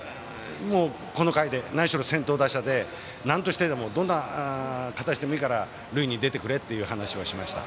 この回で何しろ先頭打者でなんとしてでもどんな形でもいいから塁に出てくれという話はしました。